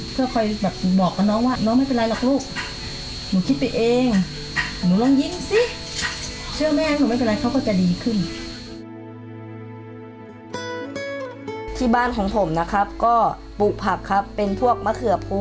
เพื่อคอยแบบบอกกับน้องว่าน้องไม่เป็นไรหรอกลูก